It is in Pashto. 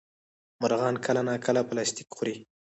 مرغان کله ناکله پلاستيک خوري.